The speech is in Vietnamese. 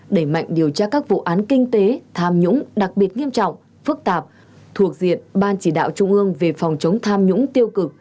đẩy mạnh điều tra các vụ án kinh tế tham nhũng đặc biệt nghiêm trọng phức tạp thuộc diện ban chỉ đạo trung ương về phòng chống tham nhũng tiêu cực